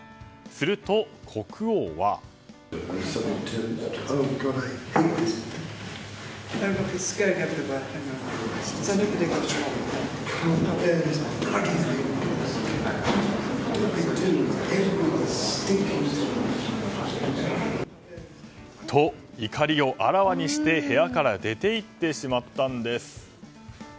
すると国王は。と、怒りをあらわにして部屋から出て行ってしまったんです。